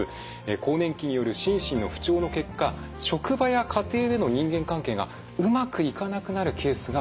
更年期による心身の不調の結果職場や家庭での人間関係がうまくいかなくなるケースがあるんです。